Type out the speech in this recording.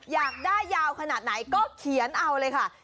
อยากได้ยาวขนาดไหนก็เขียนเอาเลยค่ะ